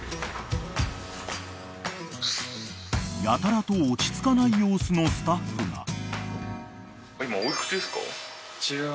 ［やたらと落ち着かない様子のスタッフが］